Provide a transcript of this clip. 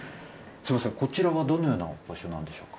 すいませんこちらはどのような場所なんでしょうか？